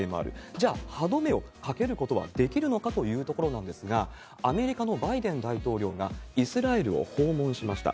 じゃあ、歯止めをかけることはできるのかというところなんですが、アメリカのバイデン大統領がイスラエルを訪問しました。